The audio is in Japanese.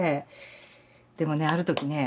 でもねある時ね